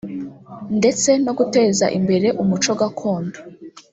ndetse no guteza imbere umuco gakondo